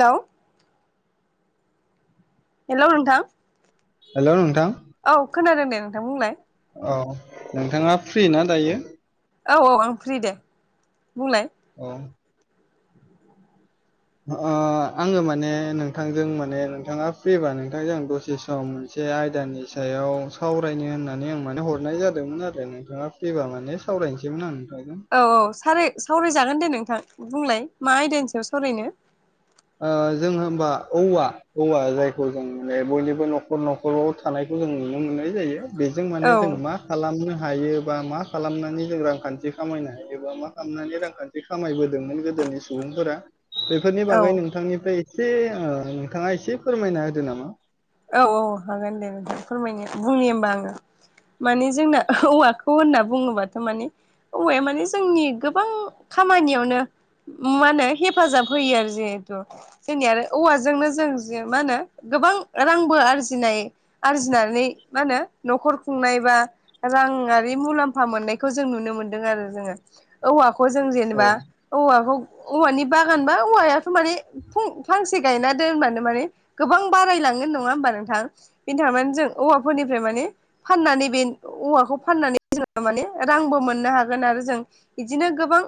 हेल' hello नोंथां hello नोंथां औ खोनादों दे नोंथांमोन बुंलाय औ नोंथाङा फ्रि ना दायो? औ औ आं फ्रि दे बुंलाय औ आङो माने नोंथांजों माने नोंथाङा फ्रिबा नोंथांजों आं दसे सम मोनसे आयदानि सायाव सावरायनो होननानै आं माने हरनाय जादोंमोन आरो नोंथाङा फैबा माने सावराय फरायनोसैमोन आं नोंथांजों औ औ स सावरायजागोन दे नोंथां बुंलाय मा आयदानोसो सावरायनो जों हबा औवा औवा जायखौ जों माने बयनिबो न'खर न'खराव थानाय जों नुनो मोननाय जायो बेजों माने औ जों मा खालामनो ह हायो बा मा खालामनानै जों रांखान्थि खामायनो हायो बा मा खालामनानै रांखान्थि खामायबोदोंमोन गोदो नि सुबुंफोरा बेफोरनि बागै नोंथांनिफ्राय एसे नोंथाङा एसे फोरमायना होदो नामा औ औ हागोन दे नोंथां फोरमायनो बुंनि होमबा आङो माने जोंना औवाखौ होनना बुङोबाथ' माने औवाया माने जोंनि गोबां खामानियावनो मा होनो हेफाजाब होयो आरो जिहेथु जोंनि आरो औवाजोंनो जों मा होनो गोबां रांबो आरजिनाय आरजिनानै मा होनो न'खर खुंनाय बा रांङारि मुलाम्ा मोननाय जों नुनो मोन ज औ जों औ जेनेबा औखौ औ ब बानबा औवायाथ' म फांसे गायना दोननानै माने गोबां बारायलाङ नोंथां जों औाफोरनिफ्राय म फाननानै औाखौ फ माने रांबो मोननो हागोन आरो जों बिदिनो गोबां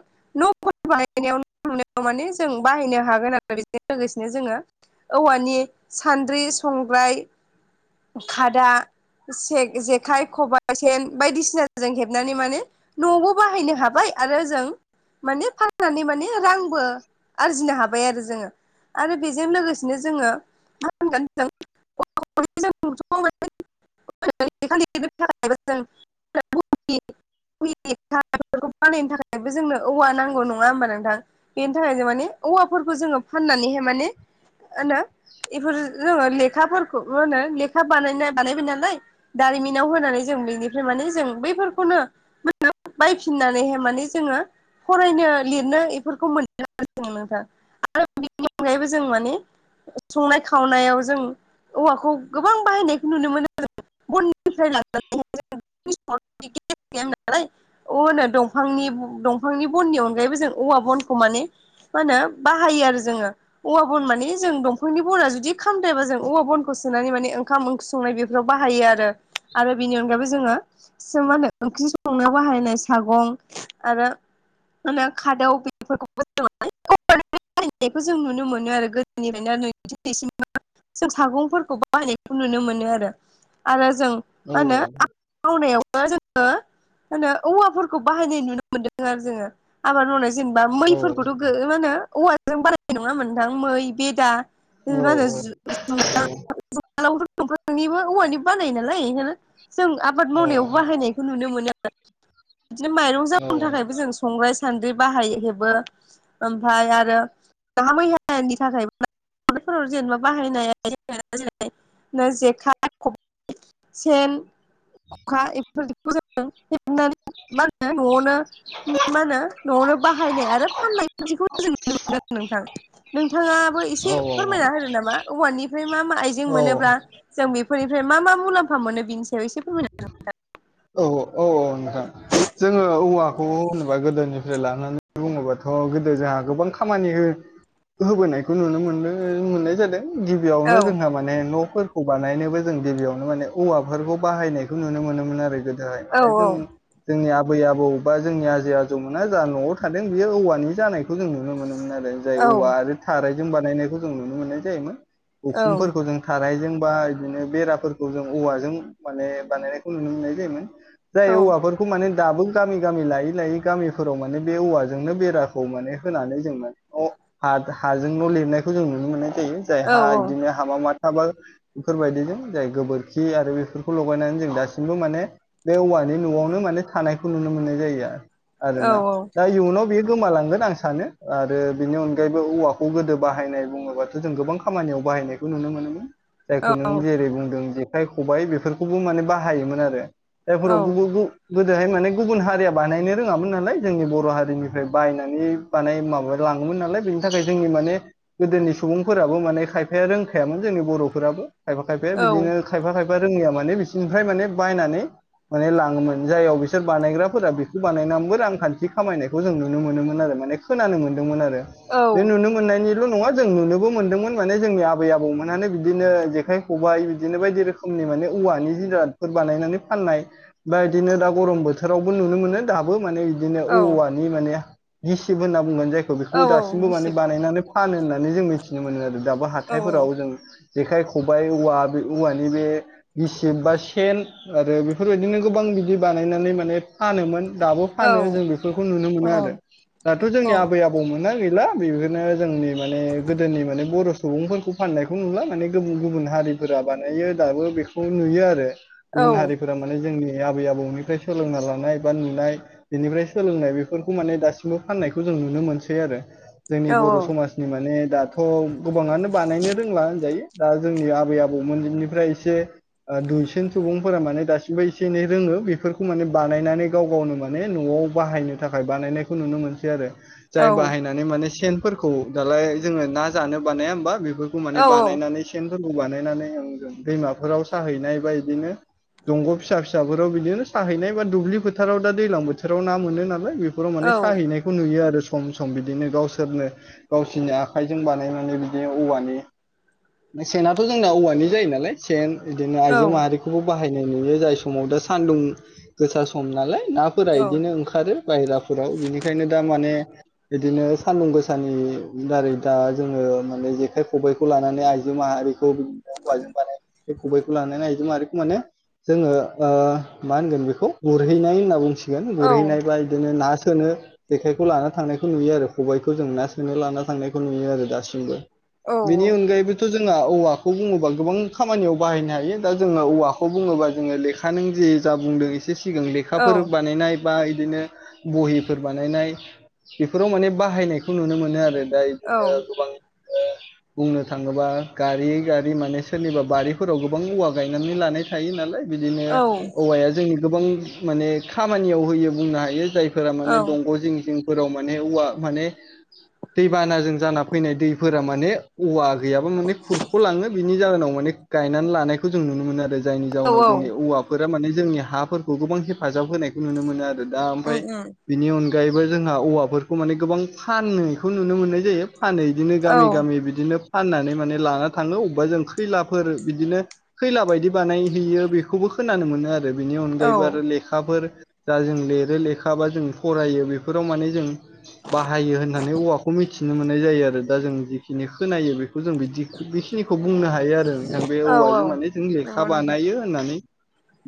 न'फोर बानायनायाव हनो ज संग्राय खादा जेखाइ खबाइ सेन बायदिसिना जों हेबनानै माने न'आवबो बाहायनो हाबाय आरो जों मान फाननानै मान रां आरजिनो हाबाय आरो जोङो आरो बेजों लोगोसेनो जोङो मा होनोन खा [unintelligible] [unintelligible] थाखायबो जोंनो औवा नांगौ नङा हबा नोंथां बेनि थाखाय जों माने औा जोङो फाननानै माने होनो बेफोर जोङो लेखाफोरखौ होनो लेखा बानाय बानायबाय नालाय दारिमिनाव होनानै जों बेनिफ्राय जों बैफोरखौनो बायफिननानैहाय माने जोङो फरायनो लिरनो बेफोरखौ मोन आरो ज नोंथां [inaudible] अनगायैबो जों माने संनाय खा खावनायाव जों औवाखौ गोबां बाहायनायखौ नुनो मोनो जों [unintelligible] अ होनो दंफांनि दंफांनि बननि अनगायैबो जों औवा बनखौ माने मा होनो बाहायो आरो जोङो औवा बन मानि जों दंफांनि बना जुदि बिदि खालामद्रबा जों औवा बनखौ सोनानै माने ओंखाम ओंख्रि संनाय बेफोराव बाहायो आरो बेनि अनगायैबो जों मा होन ओंख संनोाव बाहायनाय सागं आरो मा खादौ बेफोरखौ फनायखौ जों नुनो मोनो आरो गोदोनिफ्रायनो आरो न जों सागंफोरखौ बाहायनायखौ नुनो मोनो आरो आरो जों औ मा होनो आबाद मावनायावबो जों मो औवाफोरखौ बाहायनाय नुनो मोनदों आरो जोङो आबाद मावनाय जेनेबा औ मैफोरखौथ' माो औवाजों बारायनाय नङामोनोंथां मै बेदा औ ब आरो औ जुन जथ' दंफ्रांनिबो औवानिबो बानाय नालाया जों आबाद औ मावनायावबो बाहायनायखौ नुनो मोनो आरो बिदिनो माइरं औ जाबनो थाखायबो जों संग्राय सान्द्रि बाहायो हेबो ओमफ्राय आरोा मैयानि थाखायबो हफोराव जेनेबा बाहायनाय ज ज न जेखाय ख सेन अखा बेफोर [unintelligible] मा होनो न'आवनो मा होनो न'आवनो बाहायनाय आरो फाननाय बिदिखौ जों नुनो मोन नोंथां नोंथाङाबो एसे औ फोरमायना होदो नामा औवानिफ्राय मा-मा आइजें औ औ मोनोब्ला जों बेफोरनिफ्राय मा-मा मुलाम फा मोनो बिनि सायाव एसे फोरमाय औ औ औ औ नोंथां जोङो औवाखौ होनोबा गोदोनिफ्राय लानानै बुङोबाथ' गोदो जोंहा गोबां खामानि हो होबोनायखौ नुनो मोनदों मोननाय जादों गिबियावनो औ जोंहा माने न'फोरखौ बानायनोबो जों गिबियावनो माने औवाफोरखौ बाहायनायखौ नुनो मोनोन आरो गोदोहाय औ माने जों जोंनि आबै-आबौबा जोंनि आजै-आजौमोना जा न'आव थादों बियो औवानि जानायखौ जों नुनो मोनो आरो जाय औ औबा आरो थारायजों बानायनायखौ जों नुनो मोननाय जायोमोन औ उखुमफोरखौ जों थारायजों बा इदिनो बेराफोरखौ जों औवाजों माने बानायनायखौ नुनो मोननाय जायोमोन औ जाय औवाफोरखौ माने दाबो गामि-गामि लायै-लायै गामिफोराव माने बे औवाजोंनो बेराखौ माने होनानै जों माने अ हा हाजोंल' लिरनायखौ जों नुनो मोननाय यो औ जायहा इदिनो हामा श माथा बा इफोरबायदिजों जाय गोबोरखि आरो बेफोर लगायनानै जों दासिमबो माने बे औवानि न'आवनो माने थानायखौ नुनो मोननाय जायो आरो आरो औ ना दा इउनाव बि गोमालांगोन आं सानो आरो बिनि अनगायैबो औवाखौ गोदो बाहायनाय बुङोबाथ' जों गोबां खामानियाव बाहायनायखौ नुनो मोनोमोन औ जायखौ नों जेरै बुंदों जेखाइ खबाइ बेफोरखौबो माने बाहायोमोन आरो औ जायफोराव गुबुन गु गोदोहाय माने गुबुन हारिया बानायनो रोङामोन नालाय जोंनि बर' हारिनिफ्राय बायनानै बानाय माबा लाङोमोन नालाय बेनि थाखाय जोंनि माने गोदोनि सुबुंफोराबो माने खायफाया रोंखायामोन जोंनि बर'फोराबो खायफा-खायफाया बिदिनो खायफा खायफा रोङैया माने बिसिोरनिफ्राय माने बायनानै माने लाङोमोन जाययाव बिसोर बानायग्राफोरा बेखौ बानायनानैबो रांखान्थि खामायनायखौ जों नुनो मोनोमोन आरो माने खोनानो मोनदोंमोन आरो औ बे नुनो मोननायनि ल' नङा जों नुनोबो मोनदोंमोन माने जोंनि आबै-आबौमोनानो बिदिनो जेखाइ खबाय बिदिनो बायदि रोखोमनि माने औवानि जिरादफोर बानायनानै फाननाय बा इदिनो दा गरम बोथोरावबो नुनो मोनो दाबो माने इदिनो औवानि माने गिसिब होनना बुंगोन जायखौ बेखौ दासिमबो माने बानायनानै फानो होननानै जों मिथिनो मोनो आरो दाबो हाथायफोराव जों जेखाइ खबाय औवा बे औवानि बे गिसिब बा सेन आरो बेफोरबायदिनो गोबां बिदि बानायनानै माने फानोमोन दाबो फानो जों बेफोरखौ नुनो मोनो आरो दाथ' जोंनि औ आबै-आबौ मोना गैला बेफोरनो जोंनि माने गोदोनि माने बर' सुबुंफोरखौ फाननायखौ नुला माने गुबुन गुबुन हारिफोरा बानायो दाबो बेखौ नुयो आरो गुबुन हारिफोरा माने जोंनि आबै-आबौनिफ्राय सोलोंना लानाय बा नुनाय बेनिफ्राय सोलोंनाय बेफोरखौ माने दासिमबो फाननायखौ जों नुनो मोनसै आरो जोंनि बर' समाजनि माने दाथ' गोबाङानो बानायनो रोंला होनजायो दा जोंनि आबै-आबौमोननिफ्राय एसे दुइसिन सुबुंफोरा माने दासिमबो एसे एनै रोङो बेफोरखौ माने बानायनानै गाव गावनो माने न'आव न'आव बाहायनो थाखाय बानायनायखौ नुनो मोनसै आरो जाय बाहायनानै माने सेनफोरखौ दालाय जोङो ना जानो बानाया होमबा बे फोरखौ माने औ बानायनानै सेनफोरखौ बानायनानै आं दैमाफोराव साहैनाय बा इदिनो दंग' फिसा-फिसाफोराव बिदिनो साहैनाय बा दुब्लि फोथाराव दा दैलां बोथोराव ना मोनो ना बेफोराव माने औ साहैनायखौ नुयो आरो सम-सम बिदिनो गावसोरनो गावसोरनि आखाइजों बानायनानै बिदिनो औवानि सेनाथ' जोंना औवानि जायो नालाय सेन इदिनो औ आइजो माहारिखौबो बाहायनाय नुयो जाय समाव दा सान्दुं गोसा सम नालाय नाफोरा इदिनो ओंखारो बाहेराफोराव बिनिखायनो दा माने इदिनो सान्दुं गोसानि दारै दा जोङो माने जेखाइ खबबायखौ लानानै आइजो माह आरिखौ औवा बानाय बे खबायखौ लानानै नायदों आरोख माने जोंङो ओ मा होनगोन बेखौ गुरहैनाय होनना बुंसिगोन औ गुरहैनायबा बिदिनो ना सोनो जेखायखौ लाना थांनायखौ नुयो आरो खबाइखौ जों ना सोनो लाना थांनायखौ नुयो आरो दासिमबो औ बेनि अनगायैबोथ' जोंहा औवाखौ बुंङोबा गोबां खामानियाव बाहायनो हायो दा जोंङो औवाखौ बुंङोबा जोंङो लेखा नों जे जा बुंदों सिगां औ लेखाफोर बानायनाय बा बिदिनो बहिफोर बानायनाय बेफोराव माने बाहायनायखौ नुनो मोनो आरो दा औ बिदिनो गोबां ओ बुंनो थांङोबा गारि गारि माने सोरनिबा बारिफोराव गोबां औवा गायनानै लानाय थायो नालाय बिदिनो औ औवाया जोंनि गोबां माने खामानियाव होयो बुंनो हायो जायफोरा औ माने दंग' जिं जिं फोराव माने औवा माने दै बानाजों जाना फैनाय दैफोरा माने औवा गैयाबा माने खुरख' लाङो बिनि जाहोनाव माने गायनानै लानायखौ जों नुनो मोनो आरो जायनि औ जाउनाव औ जोंनि औवाफोरा माने जोंनि हाफोरखौ गोबां हेफाजाब होनायखौ नुनो मोनो आरो आरो दा नंगौ ओमफ्राय नोंथां बेनि अनगायैबो जोंहा औवाफोरखौ माने गोबां फानखौ नुनो मोननाय जायो फानो बिदिनो गामि गामि बिदिनो फाननानै माने लाना थांङो अबेबा जों खैला फोर बिदिनो खैला बायदि बानायहैयो बेखौबो खोनानो मोनो आरो बिनि औ अनगायैबो आरो लेखाफोर दा जों लिरो लेखा बा जों फरायो बेफोराव माने जों बाहायो होननानै औवाखौ मिथिनो मोननाय जायो आरो दा जों जिखिनि खोनायो बे जों बिदि बेखिनिखौ बुंनो हायो आरो नोंथां बे औवाजों माने जों लेखा बानायो होननानै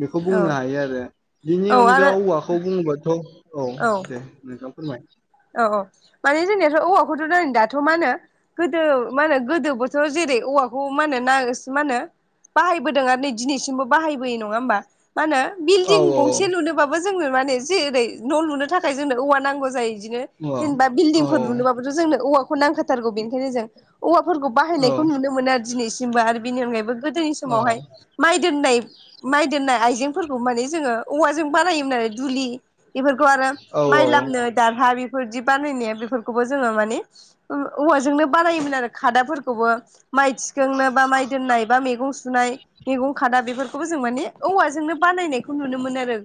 बेखौ बुंनो हायो आरो बेनि औ अनगा आरो औवाखौ बुंङोबाथ' औ दे नोंथां फोरमाय औ औ माने जोंनियाथ' औवाखौ थ' दाथ' मा होनो गोदो मा होनो गोदोबोथ' जेरै औवाखौ मा होनो नसो मा होनो बाहायबोदों आरो नै दिनैसिमबो बाहायबोय नंङा होमबा मा होनो औ बिल्डिं गंसे लुनोबाबो जोंनो माने जेरै न' लुनो थाखाय जोंनो औवा नांगौ जायो बिनो औ जेनेबा औ बिलदिंफोर लुनोबाबोथ जोंनो औवाखौ नांखाथारगौ बेनिखायनो जों औवा फोरफोरखौ औ बाहायनायखौ नुनो मोनो आरो दिनैसिमबो आरो बेनि अनगायैबो गोदोनि समावहाय माइ दोननाय माइ दोननाय आइजेंफोरखौ माने जोंङो औवाजों बानायोमोन आरो दुलि बेफोर खौ आरो औ माइ लामनो दार बेफोरदि बानायनाया बेफोरखौबौ जोंङो माने औवाजोंनो बानायोमोन आरो खादाफोरखौबो माइ थिखांनो बा माइ दोननाय बा मैगं सु सुनाय मैगं खादा बेफोरखौबो जों माने औवाजोंनो बानायनायखौ नुनो मोन आरो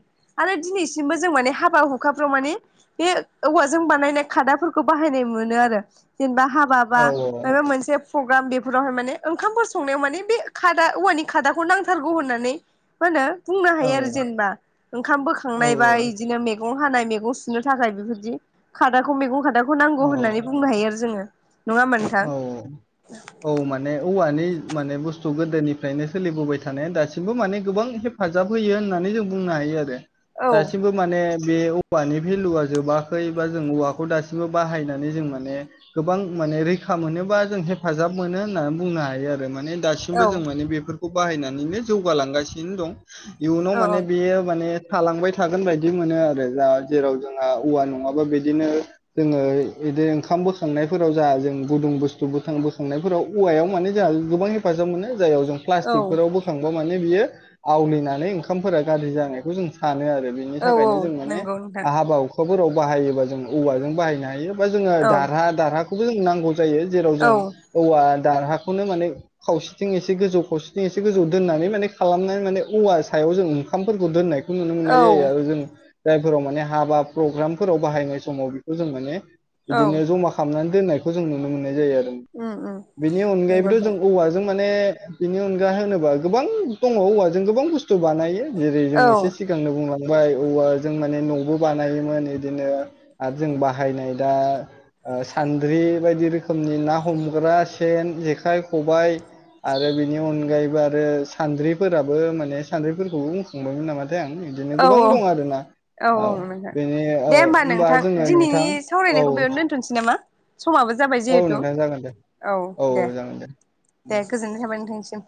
आरो दिनैसिम बो जों माने हाबा हुखाफ्राव माने बे औवाजों बानायनाय खादाफोरखौ बाहायनाय मोनो आरो जेनेबा हाबा बा औ माबा मोनसे प्रग्राम बेफोरावहाय माने ओंखामफोर संनायाव माने बे खादा औवानि खादाखौ नांथारगौ होननानै [unintelligible] बुंनो हायो आरो जेनेबा ओंखाम औ बोखांनाय बा इदिनो मैगं हानाय मैगं सुनो थाखाय बेफोर बिदि खादाखौ मैगं खादाखौ नांगौ औ होननानै बुंनो हायो आरो जोंङो औ औ माने औवानि माने बुस्थु गोदोनिफ्रायनो सोलिबोबाय थानाया दासिमबो माने गोबां हेफाजाब होयो होननानै जों बुंनो हायो आरो औ दासिमबो माने बे औवानि भेलुआ जोबाखै बा जों औवाखौ दासिमबो बाहायनानै जों माने गोबां माने रै खा मोनोबा जों हेफाजाब मोनो होननानै बुंनो हायो आरो माने दासिमबो जों माने बेफोर खौ बाहायनानैनो जौगालांगासिनो दं इयुनाव औ माने बेयो माने थालांबाय थागोन बायदि मोनो आरो जा जेराव जोंहा औवा नंङाबा बिदिनो जोङो बिदिनो ओंखाम बोखांनायफोराव जा जों गुदुं बुस्थु बखां बोखांनायफोराव औवायाव माने जोंहा गोबां हेफाजाब मोनो जायाव जों औ प्लास्टिकफोराव बोखांबा माने बियो आवलियनानै ओंखामफोरा गाज्रि जायखौ जों सानो आरो बेनिनो औ औ थाखायनो जों माने नंगौ नोंथां हाबा हुखा फोराव बाहायोबा जों औवाजों बाहायनो हायो बा जोङो औ दारहा दारहाखौबो जों नांगौ जायो जेराव औ जों औवा दारहा खौनो माने खावसेथिं एसे गोजौ खावसेथिं एसे गोजौ दोननानै माने खालामनानै माने औवा सायाव जों ओंखामफोरखौ दोन्नाय खो नुनो मोननाय औ जायो आरो जों जायफोराव माने हाबा प्रग्रामफोराव बाहायनाय समाव बेखौ जों माने औ बिदिनो जमा खालामनानै दोननायखौ जों नुनो मोननाय जायो आरो उम उम बेनि नंगौ अनगायैबोथ जों नोंथां औवाजों माने बिनि अनगा होनोबा गोबां दङ औवा जों गोबां बुस थु बानायो जेरै जों औ एसे सिगांनो बुंला बाय औवा जों माने नबो बानायोमोन बिदिनो आरो जों बाहायनाय दा आ सान्द्रि बेबायदि रोखोमनि ना हमग्रा सेन, जेखाइ, खबाइ आरो बेनि अनगायै बो आरो सान्द्रिफोराबो माने सानद्रिफोरखौबो बुंखांबायमोन नामा? थाय आं बिदिनो औ गोबां दं आरोना औ बेनि औ दे होमबा होनबा नोंथां जोङो नोंथां दिनैनि औ सावरायनायखौ बेयावनो दोनथ'नोसै नामा समाबो जाबाय औ जिहेथु नोंथां जागोन दे औ दे दे गोजोननाय थाबाय नोंथांनि सिम [inaudible]